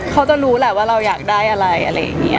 เขาจะรู้แหละว่าเราอยากได้อะไรอะไรอย่างนี้